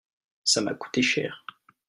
ça m'a coûté cher.